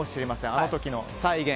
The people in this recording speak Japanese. あの時の再現。